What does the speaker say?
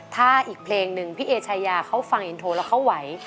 ถ้าอีกเพลงหนึ่งพี่เอชายาเขาฟังอินโทรแล้วเขาไหว